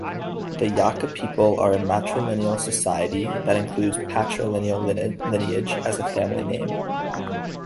The Yaka people are a matrilineal society that includes patrilineal lineage as family name.